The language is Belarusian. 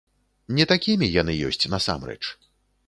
Не такімі яны ёсць насамрэч.